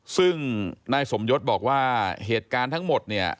ซึ่งนายสมยศบอกว่าเหตุการณ์ทั้งหมดเนี่ย